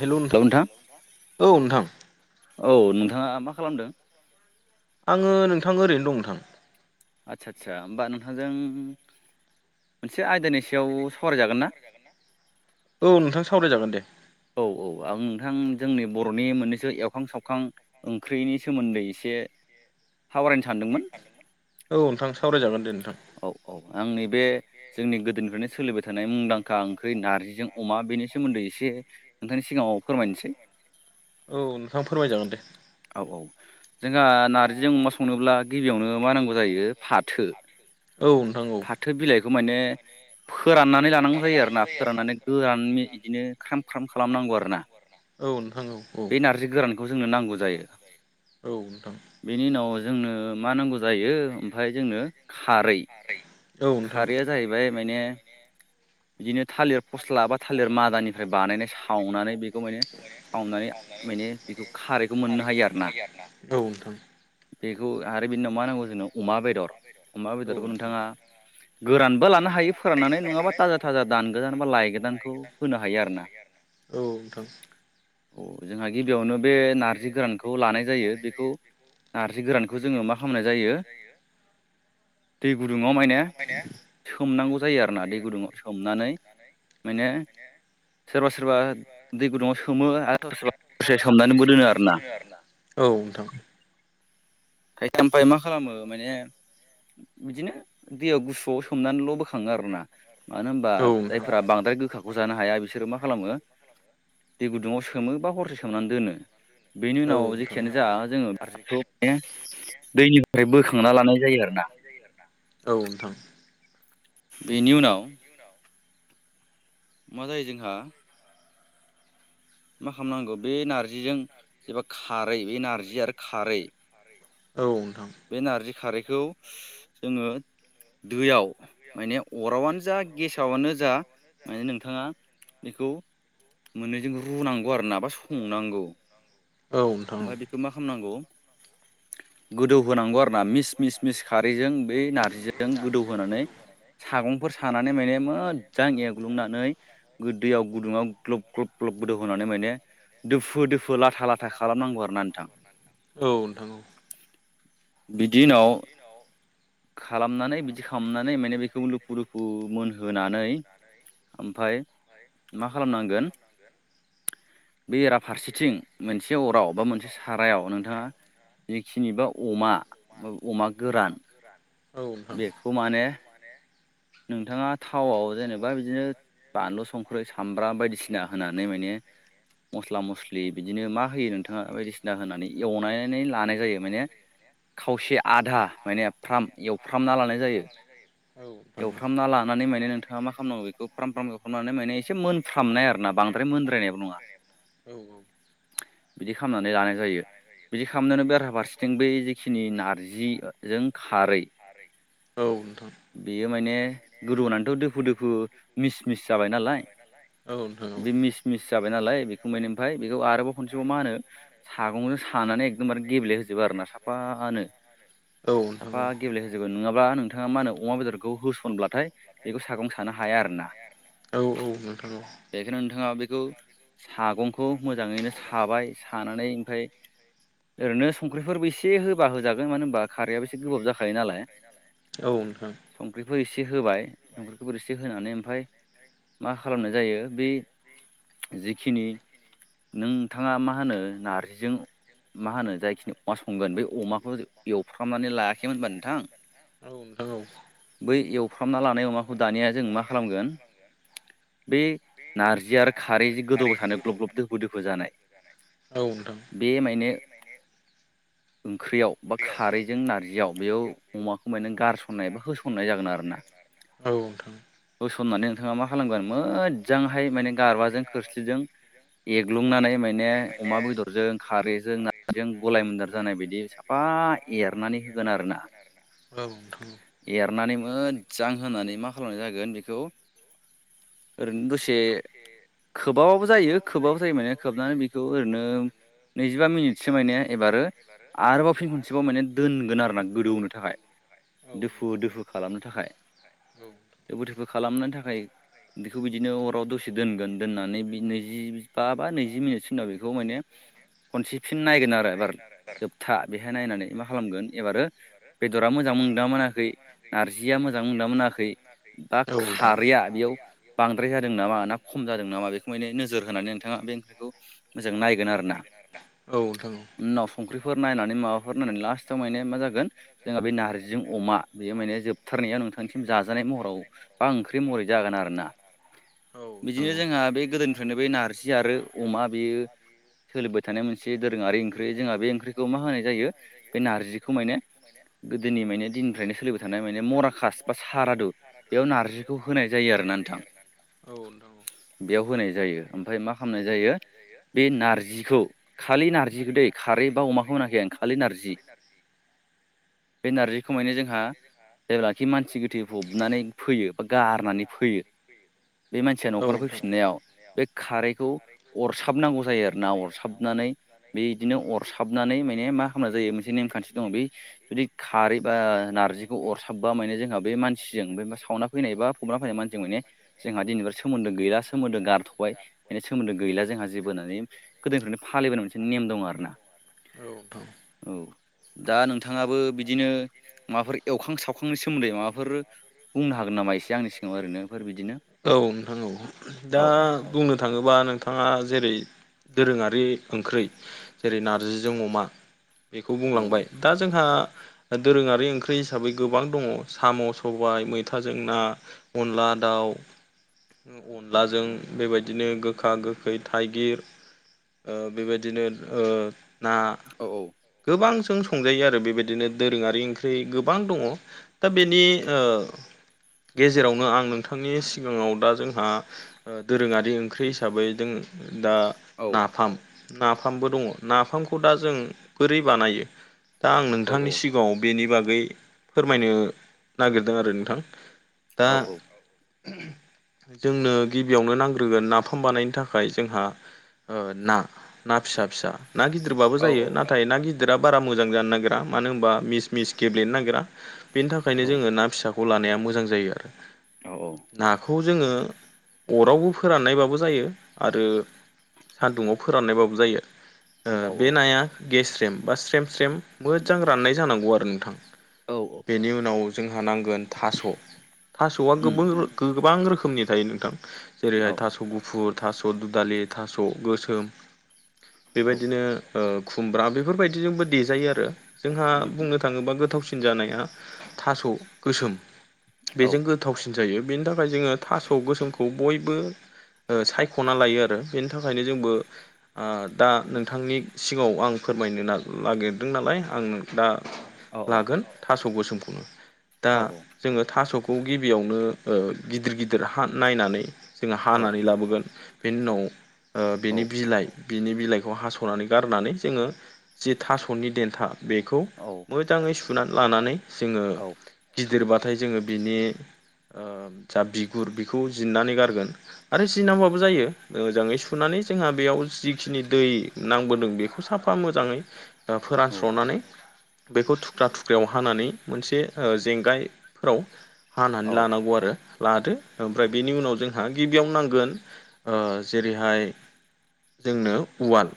हेल' नोंथां औ नोंथां। औ नोंथाङा मा खालामदों? आङो नोंथां ओरैनो दं नोंथां। आदसा आदसा होमबा नोंथांजों मोनसे आयदानि सायाव सावरायजागोन ना? औ नोंथां सावरायजागोन दे। औ औ आं नोंथां जोंनि बर'नि मोननैसो एवखां सावखां ओंख्रिनि सोमोन्दै एसे ए हावराय औ नोंथां सावरायजागोन दे नोंथां। औ औ आं नैबे जोंनि गोदोनिफ्रायनो सोलिबाय थानाय मुंदांखा ओंख्रि नारजिजों अमा बेनि सोमोन्दै एसे नोंथांनि सिगाङाव फोरमायनोसै। औ नोंथां फोरमायजागोन दे। औ औ जोंहा नारजिजों अमा संनोब्ला गिबियावनो मा नांगौ जायो फाथो औ नोंथां औ खौ माने फोराननानै लानांगौ जायो आरो ना फोराननानै गोरान बिदिनो ख्राम ख्राम खालामनांगौ आरो ना। औ नोंथां औ बे नारजि गोरानखौ जोंनो नांगौ जायो। औ नोंथां। बेनि उनाव जोंनो मा नांगौ जायो ओमफाय जोंनो खारै, औ नोंथां खारैया जाहैबाय मायने बिदिनो थालिर फस्ला बा थालिर मादानिफ्राय बानायनाय सावनानै बेखौ माने सावनानै मायने बेखौ खारैखौ मोननो हायो आरो ना औ नोंथां बेखौ आरो बिनि उनाव मा नांगौ जोंनो अमा बेदर अमा औ बेदरखौ नोंथां नोंथाङा गोरानबो लानो हायो फोराननानै नोङाबा थाजा थाजा दान गोदान बा लाय गोदानखौ होनो हायो आरो ना। औ नोंथां। औ जोंहा गिबियावनो बे नारजि गोरानखौ लानाय जायो बेखौ नारजि गोरानखौ जोंङो मा खालामनाय जायो [unintelligible] दै गुदुंआव मायने सोमनांगौ जायो आरोना दै गुदुंआव सोमनानै मायने सोरबा सोरबा दै गुदुंआव सोमो आरो सोरबा सोरबा [unintelligible] दोनो आरोना औ नोंथां खायफाया ओफ्राय मा खालामो माने बिदिनो दैयाव गुसुआव सोमनानैल बोखाङो आरो ना मानो होनबा औ नोंथां औ नोंथां औ नोंथां औ नोंथां औ नोंथां औ नोंथां औ नोंथां औ नोंथां औ नोंथां औ जायफोरा बांद्राय गोखाखौ जानो हाया बिसोरो मा खालामो दै गुदुंआव सोमो बा हरसे सोमनानै दोनो। बेनि उनाव जेखियानो जा जोङो [unintelligible] माने दैनिफ्राय बोखांना लानाय जायो आरोना औ नोंथां। बेनि उनाव मा जायो जोंहा मा खालामनांगौ बे नारजिजों एबा खारै बे नारजि आरो खारै बे नारजि खारैखौ जोङो दैयाव माने अरावानो जा गेसावानो जा माने नोंथाङा बेखौ मोननैजों रुनांगौ गुवार नाबा संनांगौ ओमफाय बेखौ मा खालामनांगौ गोदौ होनांगौ आरो ना मिस मिस मिस खारैजों बै नारजिजों गोदौहोनानै सागंफोर सानानै माने मो जां एग्लुंनानै गो-दैयाव गुदुङाव ग्लब ग्लब ग्लब गोदौ होनानै माने दोफुद दोफो लाथा लाथा खालामनांगौ आरो ना नोंथां। औ नोंथां। बिदि उनाव खालामनानै बिदि खालामनानै माने बेखौ लुफु लुफु मोनहोनानै ओमफाय मा खालामनांगोन बेराफारसेथिं मोनसे अराव बा मोनसे सारायाव नोंथाङा जिखिनि बा अमा [unintelligible] गोरान बेखौ माने नोंथाङा थावआव जेनेबा बिदिनो बानलु संख्रि सामब्राम बायदिसिना होनानै माने मस्ला मस्लि बिदिनो मा होयो नोंथाङा बायदिसिना होनानै एवनानै लानाय जायो माने खावसे आधा माने फ्राम एवफ्रामना लानाय जायो एवफ्रामना लान नै नोंथाङा मा खालामनांगौ बेखौ फ्राम फ्राम खालामनानै माने एसे मोनफ्रामनाय आरो ना बांद्राय मोनद्रायनायबो नङा औ औ बिदि खालामनानै लानाय जायो बिदि खालामनोनो बेरहा फारसेथिं बै नि नारजिजों खारै औ बेयो माने गोदौनानैथ' दोफु दोफु मिस मिस जाबाय नालाय बे मिस मिस जाबाय नालाय बेखौ मानि ओमफ्राय बेखौ आरोबाव खनसेबाव मा होनो सागंजों सानो नानै एकदमबारे गेब्ले होजोबो आरोना साफानो औ नोंथां साफा औ गेब्लेहोजोबगोन नङाबा नोंथाङा मा होनो अमा बेदरखौ होसनब्लाथाय बेखौ सागं सानो हाया आरोना औ नोंथां औ बेखायनो नोंथाङा बे बेखौ सागंखौ मोजाङैनो साबाय सानानै ओमफ्राय ओरैनो संख्रिफोरबो एसे होब होबा होजागोन मानो होनोमबा खारैआ एसे गोबाब जाखायो नालाय औ नोंथां सुंख्रै इसे होबाय सुंख्रै एसे होनानै ओमफ्राय मा खालामनाय जायो बे जिखिनि नोंथाङा मा होनो नार्जिजों मा होनो जायखि अमा संगोन बे अमाखौ एवफ्रामनानै लायाखैमोन होनबा नोंथां औ नोंथां औ बै एवफ्रामना लानाय अमाखौ दानिया जों मा खालामगोन बे नारजि आरो खारै जि गोदौ सानो ग्लब ग्लब दोफु दोफु जानाय औ नोंथां औ बेमायनो ओंख्रियाव बा खारैजों नारजियाव बेयाव अमाखौ माने गारसननाय एबा होस सननाय जागोन आरोना। औ नोंथां। होसननानै नोंथाङा मा खालामगोन मोजांहाय माने गारबाजों खोरस्लिजों एरग्लुंनानै माने अमा बेदरजों खारैजों नारजिजों गलाय मोनदार जानाय बायदि साफा फा एरनानै होगोन आरोना। औ एरनानै मोजां होनानै मा खालामनाय जागोन बेखौ ओरैनो दसे खोबाबाबो जायो खोबाबो जायो माने खोबनानै बेखौ ओरैनो नैजिबा मिनिटसो माने एबारो आरोबाव फिन खनसेबाव माने दोनगोन आरोना गोदौहोनो थाखाय नोंथां औ दोफु दोफु खालामनो थाखाय दोफो दोफो खालामनो थाखाय बेखौ बिदिनो अराव दसे दोनगोन दोननानै नैजि बा बा नैजि मिनिटसि उनाव बेखौ माने खनसे फिन नायगोन आरो एबार जोबथा बेहाय नायनानै मा खालामगोन एबारो बेदरा मोजां मोनदों मोनाखै नारजिया मोजां मोनदोंना मोनाखै बा नोंथां खारैया बेयाव बांद्राय जादों नामा ना खम जादों नामा बेखौ माने नोजोर होनानै नोंथाङा बे ओंख्रिखौ मोजां नायगोन आरोना। औ नोंथां औ नोंथां औ औ नोंथां औ उनाव संख्रिफोर नायनानै माबाफोर नायनानै लास्टाव माने मा जागोन जोंहा बे नार्जिजों अमा बेयो माने जोबथारनायाव नोंथांनिसिम जाजानाय महराव बा ओंख्रि महरै जागोन आरोना। बिदिनो जोंहा बे गोदोनिफ्रायनो बे नारजि आरो अमा बेयो सोलिबाय थानाय मोनसे दोरोङारि ओंख्रि जोंहा बे ओंख्रिखौ मा होनाय जायो बे नारजिखौ माने गोदोनि माने दिननिफ्रायनो स माने मराकास बा सारादु बेयाव नारजिखौ होनाय जायो आरोना नोंथां। औ नोंथां बेयाव होनाय जायो ओमफ्राय मा खालामनाय जायो बे नारजिखौ खालि नारजिखो दै खारै बा अमाखौ होनाखै आं खालि नारजि बे नारजिखौ माने जोंहा जेब्लाखि मानसि गोथै फबनानै फैयो बा गारनानै फैयो बे मानसिया औ नोंथां औ न'खराव नोंथां औ नोंथां औ फैफिननायाव बे खारैखौ अरसाबनांगौ जायो आरोना अरसाबनानै बे इदिनो अरसाबनानै मेन मा खामनाय जायो मोनसे नेमखान्थि दङ बै रिक खारै एबा नारजि अरसाबबा माने जोंहा बे मानसिजों सावना फैनाय बा फबना फैनाय मानसिजों माने जोंहा दिनि सोमोन्दो गैया सोमोन्दो गारथ'बाय माने सोमोन्दो गैला जोंहा जेबो होननानै गोदोनिफ्रायनो फालिबोनाय मोनसे नेम दं आरो। औ दा नोंथाङाबो बिदिनो माबाफोर एवखां सावखांनि सोमोन्दै माबाफोर बुंनो हागोन नामा एसे आंनि सिगाङाव ओरैनोफोर बिदिनो औ नोंथां। औ औ दा बुंनो थाङोबा नोंथाङा जेरै दोरोङारि ओंख्रि जेरै नारजिजों अमा बेखौ औ बुंलांबाय दा जोंहा दोरोङारि ओंख्रि हिसाबै गोबां दङ साम' सबाय मैथाजों ना अनला। दाउ अनलाजों बेबायदिनो गोखा गोखै थाइगिर ओ बेबायदिनो ओ ना औ गोबां जों संजायो आरो बेबायदिनो दोरोङारि ओंख्रि गोबां दङ' दा बेनि ओ गेजेरावनो आं नोंथांनि सिगाङाव दा जोंहा दोरोङारि ओंख्रि हिसाबै दोङो दा औ नाफाम - नाफामबो दङ' नाफाम खौ दा जों बोरै बानायो दा आं औ नोंथांनि सिगाङाव बेनि बाग गै फोरमायनो नागिरदों आरो नोंथां दा औ औ जोंनो गिबियावनो नांग्रोगोन नाफाम बानायनो थाखाय जोंहा ओ ना ना फिसा फिसा ना गि दिरबाबो औ जायो नाथाय ना गिदिरा बारा मोजां जानो नागिरा मानो होनबा मिस मिस गेब्लेनो नागिरा। बेनि थाखायनो औ जोङो ना फिसाखौ लानाया मोजां जायो आरो नाखौ जोङो अरावबो फोराननायबाबो जायो आरो सान्दुंङाव फोराननायबाबो जायो ओ औ बे नाया गेस्रेम बा स्रेम स्रेम मोजां राननाय जानांगौ आरो नोंथां औ बेनि उनाव जोंहा नांगोन थास' थासआ उम गोबोर उम गोबां रोखोमनि थायो नोंथां। औ जेरैहाय थास‌'गुफुर, थास' दुदालि, थास‌ गोसोम, औ बेबायदिनो ओ खुम्रा बेफोरबायदि जोंबो देजायो आरो जोंहा उम उम बुंनो थाङोबा गोथावसि जानाया थास गोसोम औ बेजों गोथावसिन जायो बेनि थाखाय जोङो थास गोसोमखौ बयबो ओ सायखना लायो आरो बेनि थाखायनो जोंबो ओ दा नों थांनि सिगाङाव आं फोरमायनो ना-नागिरदों नालाय आं दा औ लागोन थास [unintelligible] गोसोमखौनो दा औ जोङो थसखौ खौ गिबियावनो ओ गिदिर गिदिर नायनानै जोंङो औ हानानै लाबोगोन। बेनि उनाव ओ बेनि बिलाइ बिनि बिलाइखौ हास खनानै गारनानै जोङो जि थासनि देन्था बेखौ औ मोजाङै सु सुनानै लानानै जोङो औ गिदिरबाथाय जोङो बिनि ओ जा बिगुर बिखौ जिन्नानै गारगोन आरो जिनांगबाबो जायो मोजाङै सुनानै जोंहा बेयाव जिखिनि दै नांबोदों बेखौ साफा मोजाङै ओ फोरानस्रनानै बेखौ थुख्रा थुख्रियाव हानानै मोनसे ओ जेंगायफोराव हानानै लानांगौ आरो लादो ओमफ्राय बेनि उनाव जोंहा गिबियावनो नांगोन ओ जेरैहाय जोंनो उवाल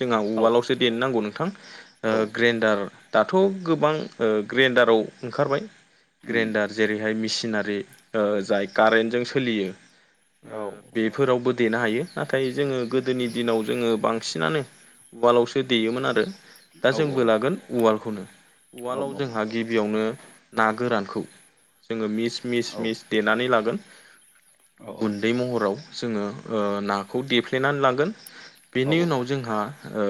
जोंहा उवालावसो देननो नांगौ नोंथां ओ ग्रेन्डार दाथ गोबां ओ ग्रेन्डाराव ओंखारबाय उम ग्रेन्डार जेरैहाय मिसि चिनारि ओ जाय कारेन्टजों सोलियो ओ औ बेफोरावबो देनो हायो नाथाय जोङो गोदोनि दिनाव जोङो बांसि सिनानो उवालावसो देयोमोन आरो दा औ जोंबो लागोन उवालखौनो उवालाव जोंहा गिबियावनो ना गोरानखौ जोङो मिस मिस मिस देनानै लागोन गुन्दै महराव जोङो ओ नाखौ देफ्लेनानै लाांगोन औ बेनि उनाव जोंहा ओ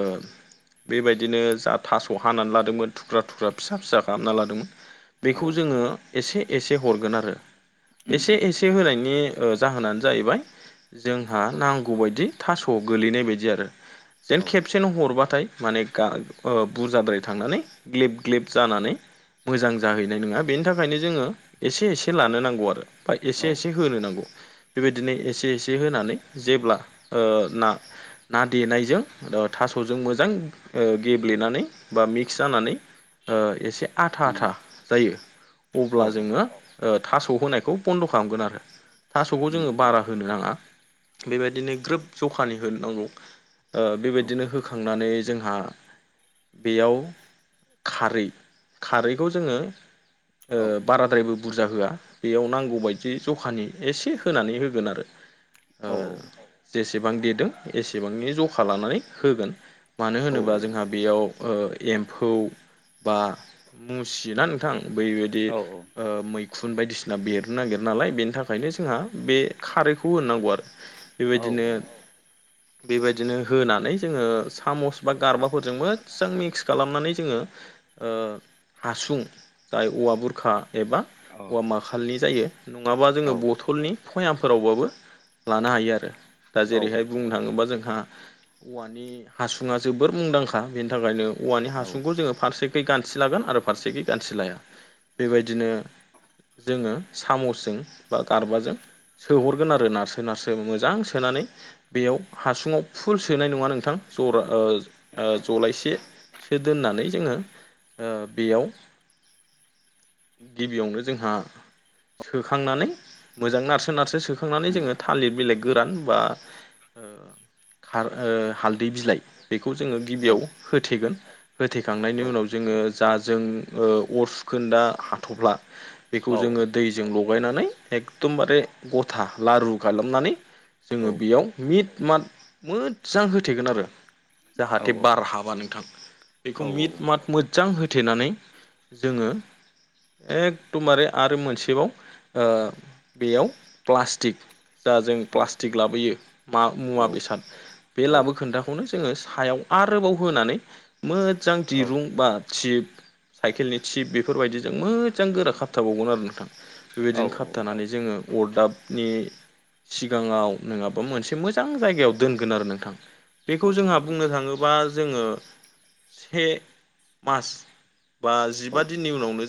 बेबायदिनो जा थास हानानै लादोंमोन थुख्रा थुख्रा फिसा फिसा खालामना लादोंमोन बेखौ जोङो एसे एसे हरगोन आरो उम एसे उम एसे होनायनि जाहोनानो जाहैबाय जोंहा औ नांगौ बायदि थास' गोलैनाय बायदि आरो जेन औ खेबसेनो हरबाथाय माने गा ओ बुरजाद्राय थांनानै ग्लेब ग्लेब जानानै मोजां जाहैनाय नङा बेनि थाखायनो जोङो एसे एसे लानो नांगौ आरो बा औ एसे एसे होनो नांगौ बेबायदिनो एसे एसे होनानै जेब्ला ओ ना ना देनायजों ओ थासजों मोजां ओ गेब्लेनानै बा मिक्स जानानै ओ एसे आथा आथा उम जायो औ अब्ला जोङो ओ थास होनायखौ बन्द खालामगोन आरो थासखौ उम जोङो बारा होनो नाङा बेबायदिनो ग्रोब जखानि होनो नांगौ ओ उम औ बेबायदिनो होखांनानै जोंहा बेयाव खारै खारैखौ जोङो ओ औ बाराद्रायबो बुरजा होआ बेयाव नांगौबायायदि जखानि एसे होनानै होगोन आरो ओ औ जेसेबां देदों एसेबांनि जखा लानानै होगोन मानो होनोबा जोंहा बेयाव ओ एम्फौ बा मुसि ना नोंथां बैबायदि ओ मै खुन बायदिसिना बेरनो नागिर नालाय बेनि थाखायनो जोंहा बे खारैखौ होननांगौ आरो बेबायदिनो बेबाय दिनो होनानै जोंङो सामस बा गारबाफोरजों मोजां मिक्स खालामनानै जोंङो ओ हासुं दाय औवा बुरखा एबा औवा मााखालनि जायो नंङाबा जोंङो औ बथलनि फयामफोरावबाबो लानो हायो आरो दा औ जेरैहाय बुंनो थाङोबा जोंहा औवानि हासुङा जोबोर मुंदांखा बेनि थाखायनो औवानि औ हासुंखौ जोंङो फारसे बे गानथि लागोन आरो फारसेखि गानथि लाया बेबायदिनो जोङो सामसजों बा गारबाजों सोहरगोन आरो नारसो नारसो मोजां सोना नानै बेयाव हासुुंआव फुल सोनाय नंङा नोंथां जरा ओ ओ जलायसेसो दोननानै जोंङो ओ बेयाव गिबियावनो जोंहा सोखांनानै मोजां नारसो- नारसो सो खांनानै उम जोंङो थालिर बिलाइ गोरान बा ओ खार ओ हालदै बिलाइ बेखौ जोंङो औ गिबियाव होथेगोन होथेखांनायनि औ उनाव जोंङो जा जों ओ अर सुखोनदा हाथ'फ्ला बेखौ औ जोंङो दैजों लग लगायनानै एकदमबारे गथा लारु गालामनानै जोंङो बेयाव मिट मा मोजां होथेगोन आरो औ जाहाथे बार हाबा नोंथां औ बेखौ मिट औ मात मोजां हो थेनानै जोंङो एकदमबारे आरो मोनसेबाव ओ बेयाव प्लास्टिक जा जों औ प्लास्टिक लाबोयो मा मुवा बेसाद बे लाबोखोन्दाखौनो जोंङो सायाव आरोबाव होनानै मोजां दिरुं बा थिप साइकेलनि थिप बेफोरबायदिजों मोजां गोरा खाबथाबावगोन आरो नोंथां बेबायदिनो खाबथानानै जोंङो अरदाबनि सिगाङाव नङाबा मोनसे मोजां जायगायाव दोनगोन आरो नोंथां बेखौ औ औ जोंहा बुंनो थांङोबा जोङो से मास बा जिबा औ दिननि उनावनो जा